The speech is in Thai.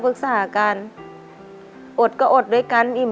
ขอเพียงคุณสามารถที่จะเอ่ยเอื้อนนะครับ